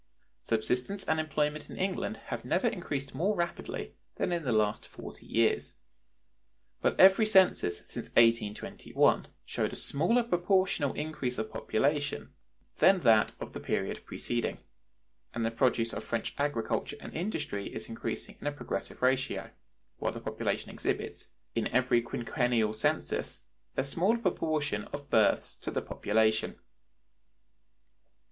(125) Subsistence and employment in England have never increased more rapidly than in the last forty years, but every census since 1821 showed a smaller proportional increase of population than that of the period preceding; and the produce of French agriculture and industry is increasing in a progressive ratio, while the population exhibits, in every quinquennial census, a smaller proportion of births to the population.